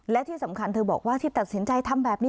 และที่สำคัญเธอบอกว่าที่ตัดสินใจทำแบบนี้